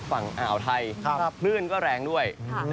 ฝั่งอ่าวไทยคลื่นก็แรงด้วย